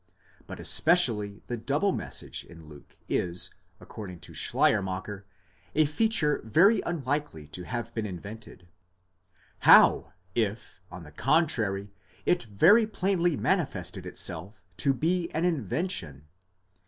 But especially the double message in Luke is, according to Schleier macher, a feature very unlikely to have been invented. How if, on the con trary, it very plainly manifested itself to be an invention?